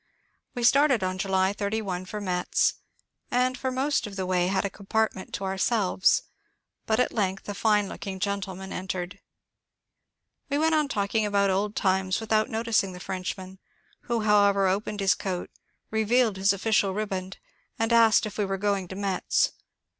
We started on July 81 for Metz, and for most of the way had a compartment to ourselves ; but at length a fine look ing gentleman entered. We went on talking about old times 220 MONCURE DANIEL CX)NWAY without noticing the Frenchman, who, howerer, opened his coat, revealed his official riband, and asked if we were going to Metz.